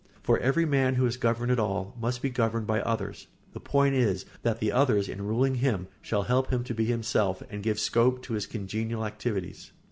For every man who is governed at all must be governed by others; the point is, that the others, in ruling him, shall help him to be himself and give scope to his congenial activities.